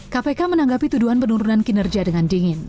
kpk menanggapi tuduhan penurunan kinerja dengan dingin